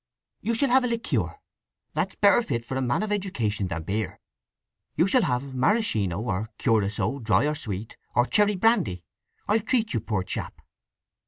"You shall have a liqueur—that's better fit for a man of education than beer. You shall have maraschino, or curaçao dry or sweet, or cherry brandy. I'll treat you, poor chap!"